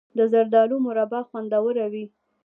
د زردالو مربا خوندوره وي.